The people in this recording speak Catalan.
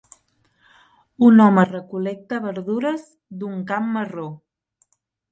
Un home recol·lecta verdures d'un camp marró.